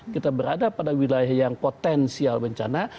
kita berada pada wilayah yang potensial bencana